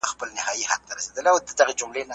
ایا په واقعيت کي اسلام د بشر د نجات دين دی؟